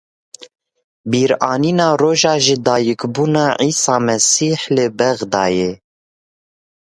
Bîranîna roja jidayîkbûna Îsa Mesîh li Bexdayê.